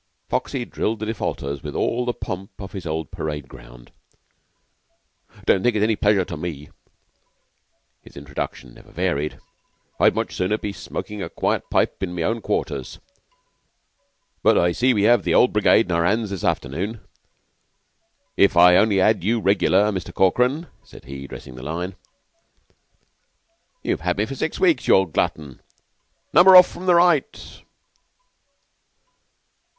Foxy drilled the defaulters with all the pomp of his old parade ground. "Don't think it's any pleasure to me" (his introduction never varied). "I'd much sooner be smoking a quiet pipe in my own quarters but I see we 'ave the Old Brigade on our 'ands this afternoon. If I only 'ad you regular, Muster Corkran," said he, dressing the line. "You've had me for nearly six weeks, you old glutton. Number off from the right!"